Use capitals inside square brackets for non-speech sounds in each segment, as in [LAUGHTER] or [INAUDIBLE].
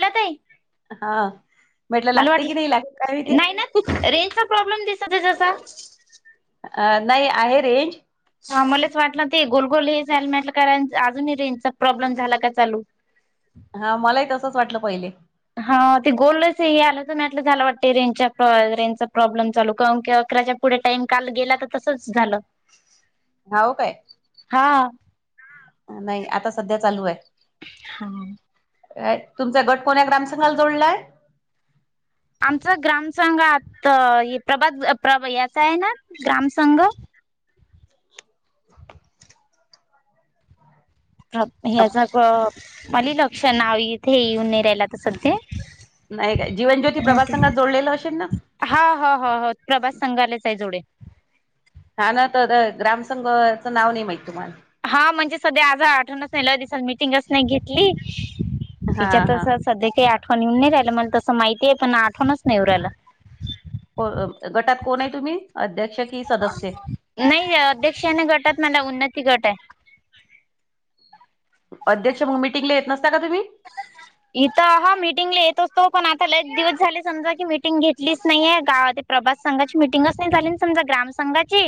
ला ताई. हा म्हटलं. मला लागते की वाटलं नाही, लागते शंभर ोकाय भती नाही ना रेंजचा प्रॉब्लेम दिसते जसा. अ. नाही आहे रेंज. हा मलाच वाटलं ते गोलगोल हे झायला. म्हटलं कारण अजूनही रेंजचा प्रॉब्लेम झाला का? चालू हा मलाही तसंच वाटलं पहिले. हा ते गोलल्स आलं तर नाही. म्हटलं झाला वाटत. रेंजच्या रेंजचा प्रॉब्लेम चालू की अकराच्या पुढे टाइम काल गेला तर तसचं झालं. हाव काय? हा. नई आता. सध्या चालू आहे. हा.. तुमचा गट कोण्या? ग्रामसंघाला जोडलाय. आमचा ग्रामसंघात प्रभात, प्रभ, याचा आहे ना ग्राम संंघ. अप, ह्याच मले लक्ष नाव इथे, येऊन नई राहियला तर सध्ये. नई काय? जीवनज्योती, प्रभात संघात जोडलेलं असेल ना. हा. हो. हो हो.. प्रभात संघालेच हाय जोडेल. हा. ना. तर ग्रामसंघाचं नाव नई माहित तुम्हाला. हा. म्हणजे सध्या आज आठवणच, नई लई दिसात मिटिंगच नई घेतली हा हा तिच्यातच. सध्या काही आठवण येऊन नई राहिलं. मला तस माहितीये. पण, आठवणच नई येऊ राहिलं. गटात कोण? आहे तुम्ही. अध्यक्ष? की सदस्य? नई दीक्षाने गटात, मला उन्नती गट आहे. अध्यक्ष मग मिटिंगले येत नसता का तुम्ही? इथं हा मीटिंगले येत असतो, पण आता लई दिवस झाले समजा की मीटिंग घेतलीच नईये गावात प्रभात संघाची मिटिंगच, नई झाली समजा ग्राम संंघाची.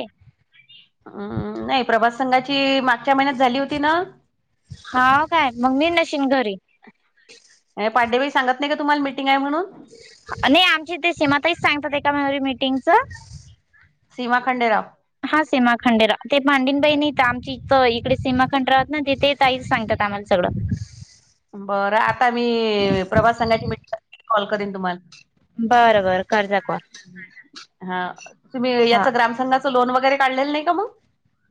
हम्म हम्म, नई प्रभात संघाची मागच्या महिन्यात झाली होती ना? हाव काय? मग, मी नशीन घरी. ये पांडेबाई सांगत नई का? तुम्हाले मिीटिंग हाय म्हणून. नई आमची इथे, सीमाताईच सांगतात. एका [UNINTELLIGIBLE] मीटिंगचं. सीमा खंडेराव. हा सीमा खंडेराव, ते पांडेन बाई नई आमची इथं इकडे सीमा खंडेरावयेत ना ते तेच. ताईच सांगत्यात आम्हाला सगळं. बरं. आता मी प्रभात संघाची मीटिंग असली, की कॉल करीन तुम्हाला. बर. बरं. करते कॉल. हा. तुम्ही हा याच ग्रामसंघाच लोन वगैरे काढलेलं नई का? मग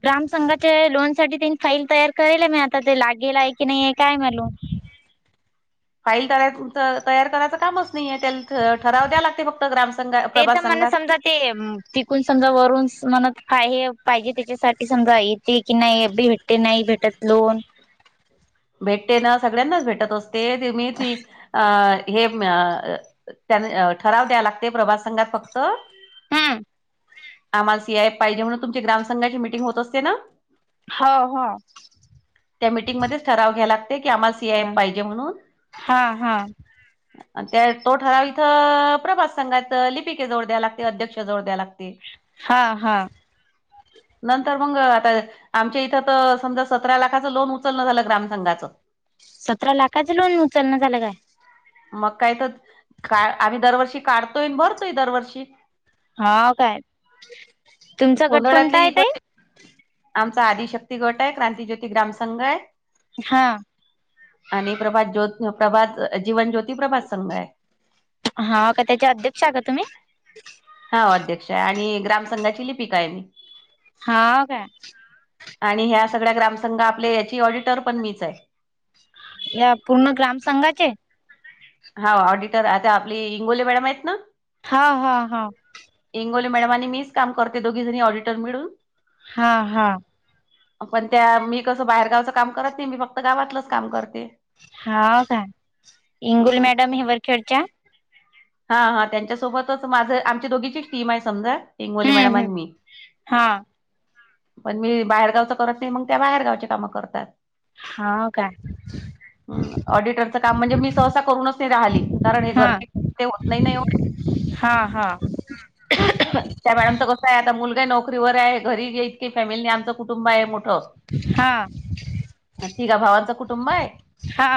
ग्राम संंघाचे लोन, साठी तीने फाईल तयार करेले. मी आता ते लागेल, हाय की नई ये काय? मालूम. फाईल कराय. पुरतं तयार करायचं कामच नाहीय. त्याल ठराव द्या लागते. फक्त ग्रामसंघात, ते प्रभात तर मला संघात. समजा ते तिकून समजा, वरून म्हणत का? हे पाहिजे त्याच्यासाठी समजा ये. ते की नाही भेटते नाही भेटत लोन. भेटते ना सगळ्यांनाच भेटत असते, ते मी ती अ हे. मे. अ. ठराव द्याव लागते, प्रभात संघात फक्त. हम्म.. आम्हाला सी आयएफ पाहिजे म्हणून तुमच्या ग्रामसंघाची मीटिंग होत असते ना? हो. हो. त्या मीटिंगमध्येच. ठराव घ्याव लागते की, आम्हास सी, आय. हा एफ. पाहिजे म्हणून. हा हा त्या तो ठराव इथं प्रभात संघात लिपिके जवळ द्या लागते. अध्यक्ष जवळ द्या लागते. हा. हा. नंतर मंग, आता आमच्या इथं तर समजा. सतरा लाखाच लोन उचलण झालं. ग्राम संघाचं. सतरा लाखाच लोन उचलन झालं का? मग काय तर का आम्ही दरवर्षी काढतोय अन् भरतोय दरवर्षी. हाव. काय? तुमचा गट कोणता? सोनळ्यातले हाय ताई. इकड आमचा आदिशक्ती गट आहे. क्रांतिज्योती ग्रामसंघ आहे. हा. आणि प्रभात ज्योत, प्रभात जीवन ज्योत. ती. प्रभात संघ आहे. हा का त्याच्या अध्यक्ष का तुम्ही हाव. अध्यक्ष हाय आणि ग्राम संंघाची लिपिका आहे. मी. हा काय? आणि ह्या सगळ्या ग्रामसंघ आपले याची ऑडिटर पण मीच आहे. [INAUDIBLE] या पूर्ण ग्रामसंंघाचे? हा ऑडिटर. आता आपली इंगोले मॅडम आहेत ना. हा हा हा. इंगोली मॅडम आणि मीच काम करते दोघी जणी ऑडिटर मिळून. हा हा. पण त्या मी कसं बाहेरगावचं काम करत नाही, मी फक्त गावातलंच काम करते. हा काय? इंगुल हम्म मॅडम हिवरखेडच्या. हा हा त्यांच्यासोबतच माझं आमची दोघीचीच टीम आहे समजा. इंगोले मॅडम हम्म हम्म आणि मी. हा पण मी बाहेरगावचं करत नाही, मग त्या बाहेरगावचे कामं करतात. हा काय. हम्म. ऑडिटरचं काम म्हणजे मी सहसा करूनच नाही राहिली, कारण हे हा घरचे ते होत नाही ना एवढं. हा [INAUDIBLE] त्या मॅडमचं कसं आहे आता मुलगा नोकरीवर आहे, घरी इतकी फॅमिलीने आमच कुटुंब आहे मो हा. आणि तिघा भावांचं कुटुंब आहे. हा.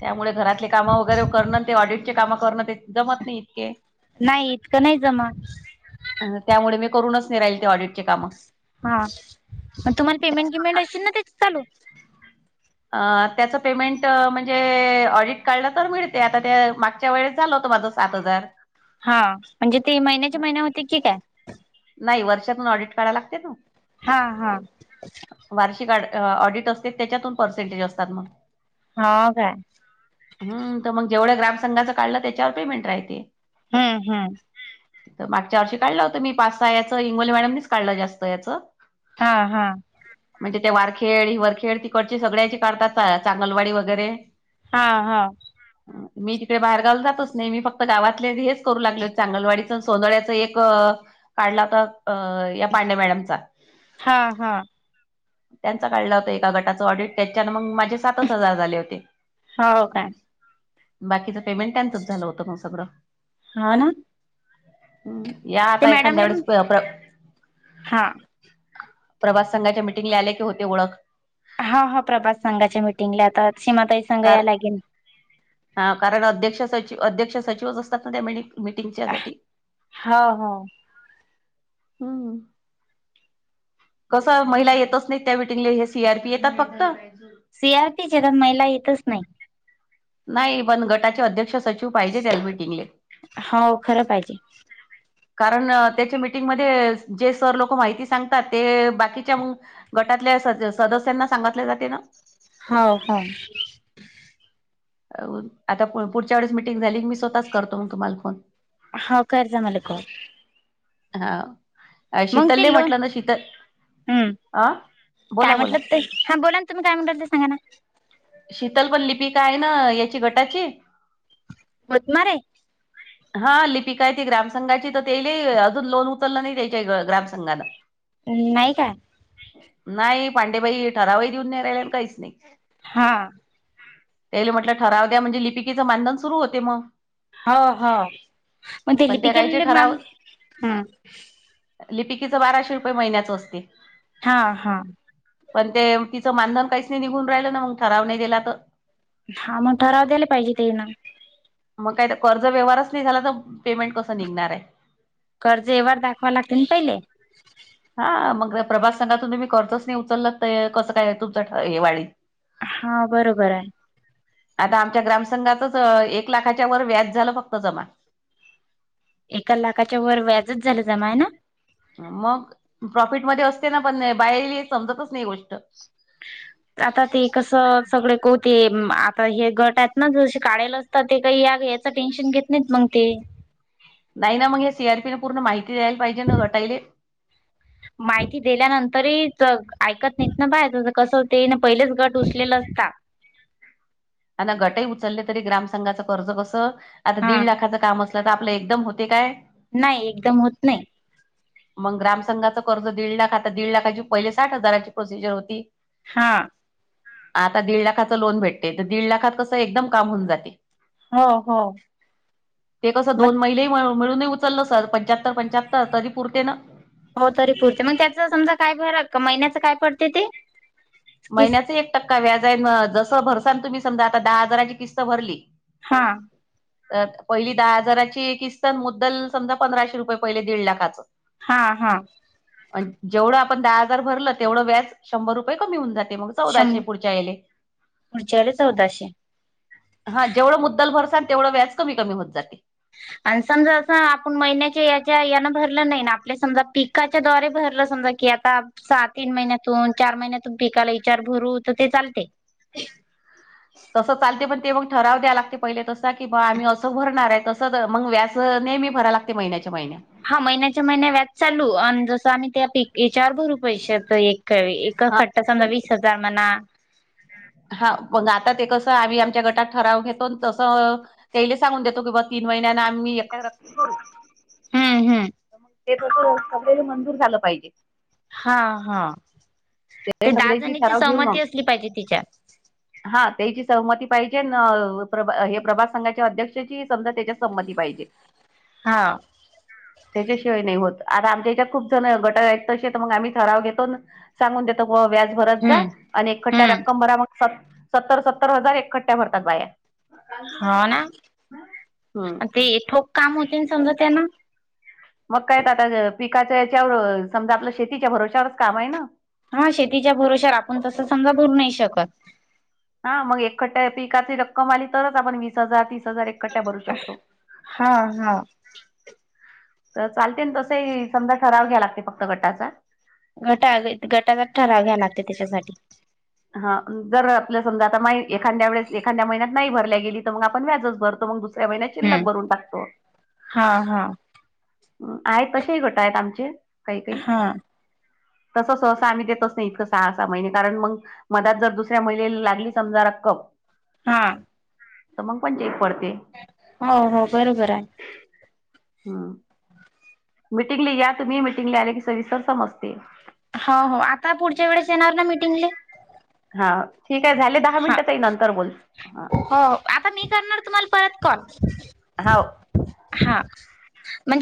त्यामुळे घरातले काम वगैरे करणं, ते ऑडिटचे काम करणं ते जमत नाही इतके. नाही इतकं नाही जमत. अ त्यामुळे मी करूनच नाही राहीले ते ऑडिटची कामं. हा, पण तुम्हाला पेमेंट गिमेंट असतील ना त्याच चालू? अ त्याचं पेमेंट म्हणजे ऑडिट काढलं तर मिळते. आता त्या मागच्य त्यावेळेस झालं होतं माझं सात हजार. हा म्हणजे ते महिन्याच्या महिन्या होते की काय? नाही वर्षातून ऑडिट काढाला लागते न. हा हा. वार्षिक अ ऑडिट असते त्याच्यातून पर्सेंटेज असतात मग. हा काय? हम्म, तर मग जेवढ्या ग्रामसंघाच काढलं त्याच्यावर पेमेंट राहते. हम्म हम्म. तर मागच्या वर्षी काढलं होतं मी पाच सहा याचं. इंगोली मॅडमनीच काढलं जास्त याच. हा हा. म्हणजे ते वारखेड हि वरखेड तिकडची सगळ्याची काढतात चांगलवाडी वगैरे. हा हा. हा हा. मी तिकडे बाहेरगावला जातच नाही. मी फक्त गावातले हेच करू लागले चांगलवाडीच आणि सोंदळ्याचं एक काढला तर अ या पांडे मॅडमचा. हा हा त्यांचा काढला होता एका गटाचं ऑडिट, त्याच्यान मग माझे सातच हजार झाले होते. हो काय? बाकीच पेमेंट त्यांचच झालं होत मग सगळं, हो ना हम्म. या ते आता एखाद्या मॅडमले वेळेस प्य प्र हा प्रभात संघाच्या मीटिंगला आले की होते ओळख. हा हा, प्रभास संघाच्या मीटिंगला येतात, सीमाताई संघ कार याय लागेल. हा कारण अध्यक्ष सचिव, अध्यक्ष सचिवच असतात ना त्या मिटी-मिटिंगच्यासाठी. हो हो. हम्म. कसं महिला येतच नाही त्या मिटिंगला हे सीआरपी येतात फक्त. सीआरपीचे येतात महिला येतच नाही. नाही पण गटाचे अध्यक्ष सचिव पाहिजे त्याला मिटिंगले. हाव खरं पाहिजे. कारण त्याच्या मीटिंगमध्ये जे सर लोक माहिती सांगतात. ते बाकीच्या मग गटातल्या स-सदस्यांना सांगितले जाते ना. हाव हाव. आता पुढच्या वेळेस मिटिंग झाली की मी स्वतःच करतो मग तुम्हाला फोन. हो कर जा मला कॉल. हाव. मग ते लोन हम्म अ काय बोला बोला म्हटलं ते हा बोला ना. तुम्ही काय म्हणता त्यासनी म्हणा. शीतल पण लिपीक हाय ना याची गटाची. ओतनार आहे? हा लिपिका आहे ती ग्रामसंघाची, तर तेले अजून लोन उचललं नाही त्याच्या ग्रामसंघांन. नाही काय. नाही पांडेबाई ठरावही देऊन नाही राहिला आणि काहीच नाही. हा.. त्याले म्हटलं ठराव द्या म्हणजे लिपिकेचं मानधन सुरु होते मग. हो हो. मग ते पण त्या कायचे लिपकेले मान, हम्म. लिपिकेचं बाराशे रुपये महिन्याचं असते. हा हा. पण ते तिचं मानधन काहीच नाही निघून राहिलं ना, मग ठराव नाही दिला तर. हा मग ठराव द्यायला पाहिजे ते ना. मग काय तर कर्ज व्यवहारच नाही झाला, तर पेमेंट कसं निघणार आहे. कर्ज व्यवहार दाखवाव लागते ना पहिले? हा मग प्रभास संघातून तुम्ही कर्जच नाही उचललं, तर कसं काय आहे तुमचं हे वाढील? हा. बरोबर आहे. आता. आमच्या ग्रामसंघातच एक लाखाच्या वर व्याज झालं फक्त जमा एका लाखाच्या वर व्याजच झालं जमा आहे ना? मग प्रॉफिटमध्ये असते ना, पण बाईले हे समजतच नाही गोष्ट. आता ते कसं सगळे कोते आता हे गटातनं जसे काढाले असतात ते काही या यांच टेन्शन घेत नाहीत मग ते‌. नाही ना, मग या सीआरपीन पूर्ण माहिती द्यायला पाहिजे ना गटायले. माहिती दिल्यानंतरही ऐकत नाहीत. ना बाय कसं होते? ना पहिलेच गट उचलेल असता. आता गटही उचलले तरी ग्रामसंघांच कर्ज कसं आता हा दीड लाखाचं काम अस त्यात आपलं एकदम होते काय? नाही एकदम होत नाही. मग ग्रामसंघाचं कर्ज दीड लाख, आता दीड लाखाची पहिले साठ हजाराची प्रोसिजर होती. हा. आता दीड लाखाचा लोन भेटते. तर दीड लाखात कसं? एकदम काम होऊन जाते. हो हो ते कसं दोन मग महिले मिळूनही उचललं सर पंच्याहत्तर पंच्याहत्तर तरी पुरते न. हो तरी पुरते, मग त्याच समजा काय फरक महिन्याच काय पडते ते? किस महिन्याच एक टक्का व्याज आहे, मग जसं भरसान तुम्ही समजा आता दहा हजाराची किस्त भरली हा. तर पहिली दहा हजाराची किस्त आणि मुद्दल समजा पंधराशे रुपये पहिले दीड लाखाचं‌. ‌ हा हा. आणि जेवढं आपण दहा हजार भरलं तेवढं व्याज शंभर रुपये कमी होऊन जाते मग. शं चौदाशे पुढच्या आले. पुढच्या वेळी चौदाशे हा जेवढं मुद्दल भरसाल तेवढं व्याज कमी कमी होत जाते. आणि समजा असं आपण महिन्याच्या याच्या यान भरलं नाही ना आपले समजा पीक काच्या द्वारे भरले समजा की आता सहा तीन महिन्यातून चार महिन्यातून पिकाला विचार भरू तर ते चालते. तसं चालते पण ते मग ठराव द्याव लागते पहिले तस की बा आम्ही असं भरणार आहे तस मग व्याज ह नेहमी भराय लागते महिन्याच्या महिन्या हा महिन्याच्या महिन्या व्याज चालू आणि जसं आम्ही त्या पिक याच्यावर भरू पैश तर एक [UNINTELLIGIBLE] क ए खट्टा समजा वीस हजार म्हणा हा मग आता ते कसं आम्ही आमच्या गटात ठराव घेतो तसं [UNINTELLIGIBLE] तेले सांगून देतो की बाबा तीन महिन्या आम्ही एकत [UNINTELLIGIBLE] हम् हम्. ते तस सगळ्यांनी मंजूर झालं पाहिजे. हा हा ते दहा सगळ्याची जणीची ठराव घेऊन सहमती मग असली पाहिजे तिच्यात हा त्याची सहमती पाहिजे प्रभ हे प्रभास संघाच्या अध्यक्षाची समजा त्याच्यात संहमती पाहिजे. हा. त्याच्याशिवाय नाही होत आता आमच्या हेच्यात खूप जण गट आहेत तसे तर मग आम्ही ठराव घेतो. सांगून देत ग व्याजभरात जा. हम्म. आणि एकखट्् [UNINTELLIGIBLE] ट्या हम्म. रक्कम भरा मग स सत्तर सत्तर हजार एकखट््ट्या भरतात बाया. हा ना हम्म आणि ते ठोक काम होते ना समजा त्यांना. मग काय आता पिकाच याच्यावर समजा आपलं शेतीच्या भरोश्यावरच काम आहे ना? ह शेतीच्या भरोशावर आपण तसं समजा बरू नाही शकत. हा मग एकखट्या पिकाची रक्कम आली तरच आपण वीस हजार तीस हजार कटा भरू शकतो. हा हा तर चालतेय ना तसंही समजा ठराव घ्याव लागते फक्त गटाचा. गटा गटाचा ठराव घ्यावे लागते त्याच्यासाठी. हा जर आप समजा आता मा एखाद्या वेळेस एखाद्या महिन्यात नाही भरल्या गेली तर मग आपण व्याजच भरतो मग दुसर [UNINTELLIGIBLE] [UNINTELLIGIBLE] महिन्यात शिल्लक हम्म. भरून टाकतो. हा हा आहेत तसेही गट आहेत आमचे काही काही हा. तस सहसा आम्ही देतच नाही इतकं सहा सहा महिने कारण मग मधात जर दुसऱ्या महिलेला लागली समजा रक्कम हा. तर मग पण चेक पडते. हो हो बरोबर आहे. हम. मीटिंगला या तुम्ही मीटिंगला आले की सविस्तर समजते. हो हो आता पुढच्या वेळेस येणार ना मीटिंगले? हा ठीक आहे झाले दहा हा. मिनिटातही नंतर बोलू हा. हो आता मी करणार तुम्हाला परत कॉल. होव. हा. म्हणजे